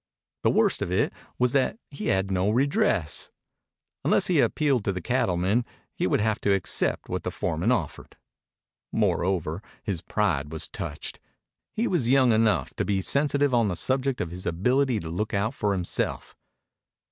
The worst of it was that he had no redress. Unless he appealed to the cattleman he would have to accept what the foreman offered. Moreover, his pride was touched. He was young enough to be sensitive on the subject of his ability to look out for himself.